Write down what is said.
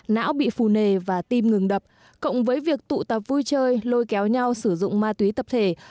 não bị phù nề và tim ngừng đập cộng với việc tụ tập vui chơi lôi kéo nhau sử dụng ma túy tập thể